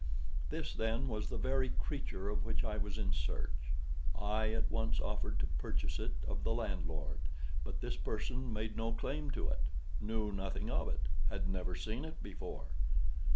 This, then, was the very creature of which I was in search. I at once offered to purchase it of the landlord; but this person made no claim to it—knew nothing of it—had never seen it before.